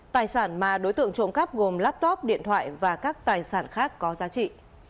tài sản mà đối tượng trộm cắp gồm laptop điện thoại và các tài sản khác có giá trị